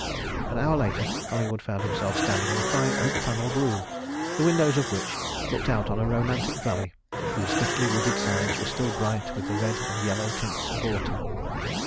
An hour later, Collingwood found himself standing in a fine oak panelled room, the windows of which looked out on a romantic valley whose thickly wooded sides were still bright with the red and yellow tints of autumn.